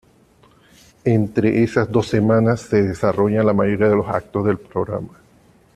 Entre esas dos semanas se desarrollan la mayoría de los actos del programa.